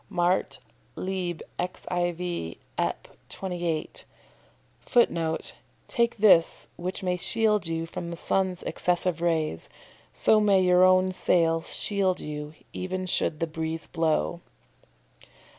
Mart., lib. xiv., Ep. 28. [Footnote: "Take this, which may shield you from the sun's excessive rays. So may your own sail shield you, even should the breeze blow."